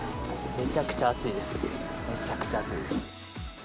めちゃくちゃ暑いです、めちゃくちゃ暑いです。